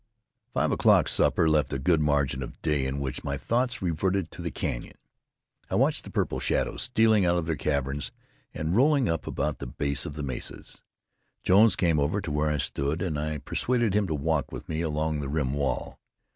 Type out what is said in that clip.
Five o'clock supper left a good margin of day, in which my thoughts reverted to the canyon. I watched the purple shadows stealing out of their caverns and rolling up about the base of the mesas. Jones came over to where I stood, and I persuaded him to walk with me along the rim wall.